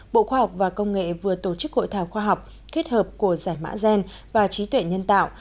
bộ khoa học và công nghệ vừa tổ chức hội thảo khoa học kết hợp của giải mã gen và trí tuệ nhân tạo